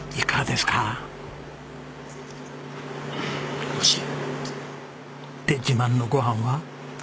で自慢のご飯は？